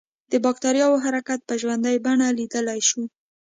د بکټریاوو حرکت په ژوندۍ بڼه لیدلای شو.